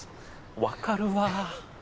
分かるわ。